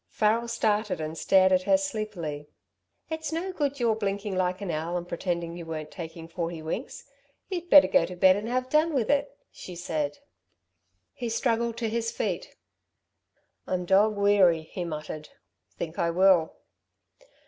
Farrel started and stared at her, sleepily. "It's no good your blinking like an owl and pretending you weren't taking forty winks. You'd better go to bed and have done with it," she said. He struggled to his feet. "I'm dog weary," he muttered. "Think I will."